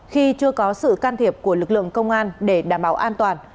khi chưa có sự can thiệp của lực lượng công an để đảm bảo an toàn